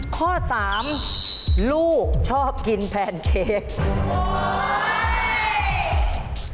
ข้อ๓ลูกชอบกินแพนเค้ก